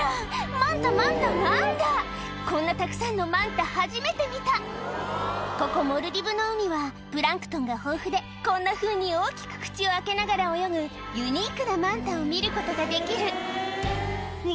マンタマンタマンタこんなたくさんのマンタ初めて見たここモルディブの海はプランクトンが豊富でこんなふうに大きく口を開けながら泳ぐユニークなマンタを見ることができるうわ！